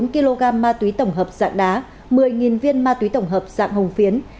bốn kg ma túy tổng hợp dạng đá một mươi viên ma túy tổng hợp dạng hồng phiến